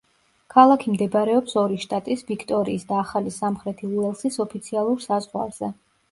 ქალაქი მდებარეობს ორი შტატის ვიქტორიის და ახალი სამხრეთი უელსის ოფიციალურ საზღვარზე.